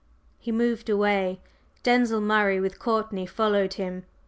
He moved away; Denzil Murray with Courtney followed him.